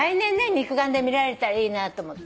肉眼で見られたらいいなと思って。